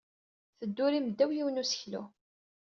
Teddurim ddaw yiwen n useklu.